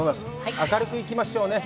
明るく行きましょうね。